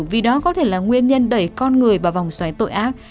vì đó có thể là nguyên nhân đẩy con người vào vòng xoáy tội ác